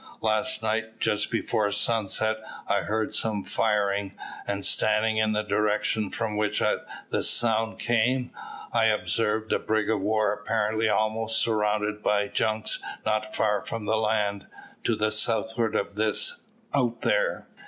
"Last night, just before sunset, I heard some firing, and standing in the direction from which the sound came, I observed a brig of war apparently almost surrounded by junks not far from the land, to the southward of this out there.